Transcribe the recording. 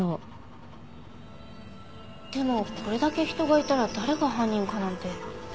でもこれだけ人がいたら誰が犯人かなんて。